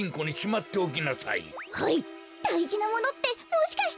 だいじなものってもしかして。